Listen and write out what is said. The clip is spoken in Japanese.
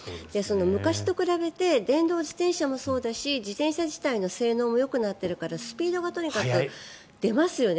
昔と比べて電動自転車もそうだし自転車自体の性能もよくなっているからスピードがとにかく出ますよね。